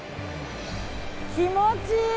気持ちいい！